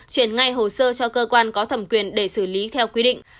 chuyển ngay hồ sơ cho cơ quan có thẩm quyền để xử lý theo quy định